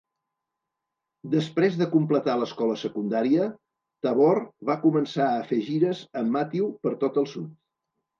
Després de completar l'escola secundària, Tabor va començar a fer gires amb Matthew per tot el sud.